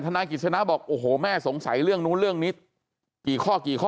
นายกิจสนะบอกโอ้โหแม่สงสัยเรื่องนู้นเรื่องนี้กี่ข้อกี่ข้อ